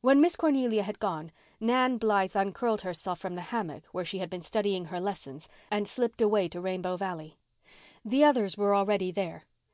When Miss Cornelia had gone, Nan Blythe uncurled herself from the hammock where she had been studying her lessons and slipped away to Rainbow Valley. The others were already there.